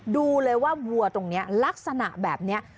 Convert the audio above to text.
ดูเลยว่าวัวตรงนี้ลักษณะแบบนี้